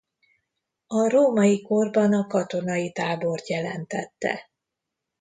A római korban a katonai tábort jelentette.